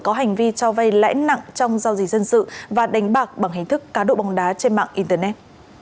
có hành vi cho vay lãi nặng trong giao dịch dân sự và đánh bạc bằng hình thức cá độ bóng đá trên mạng internet